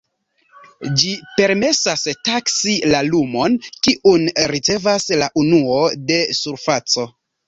Ĝi permesas taksi la lumon, kiun ricevas la unuo de surfaco.